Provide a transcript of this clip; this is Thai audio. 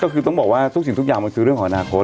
ก็คือต้องบอกว่าทุกสิ่งทุกอย่างมันคือเรื่องของอนาคต